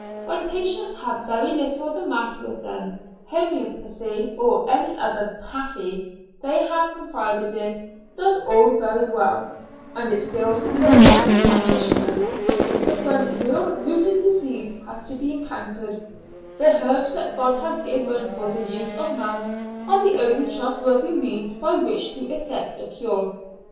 When patients have very little the matter with them, homoeopathy, or any other 'pathy' they have confidence in, does all very well, and it fills the purses of the practitioners, but when real rooted disease has to be encountered, the herbs that God has given for the use of man are the only trustworthy means by which to effect a cure.